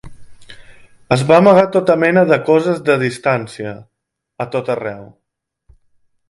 Es va amagar tota mena de coses de distància, a tot arreu.